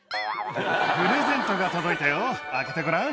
「プレゼントが届いたよ開けてごらん」